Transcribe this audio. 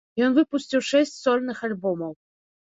Ён выпусціў шэсць сольных альбомаў.